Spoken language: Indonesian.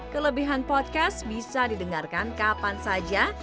kelebihan podcast bisa didengarkan kapan saja